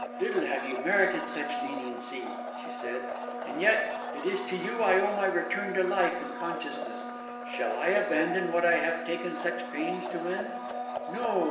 "Little have you merited such leniency," she said; "and yet, it is to you I owe my return to life and consciousness. Shall I abandon what I have taken such pains to win? No!